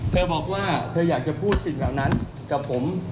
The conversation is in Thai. เธอบอกว่าเธออยากจะพูดสิ่งเหล่านั้นกับผม